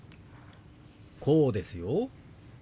こうですよ。